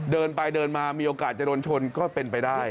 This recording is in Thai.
เดินไปเดินมามีโอกาสจะโดนชนก็เป็นไปได้